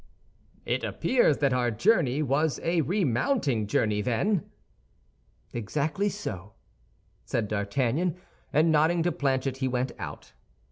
"It appears that our journey was a remounting journey, then?" "Exactly so," said D'Artagnan; and nodding to Planchet, he went out.